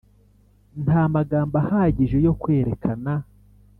nta magambo ahagije yo kwerekana,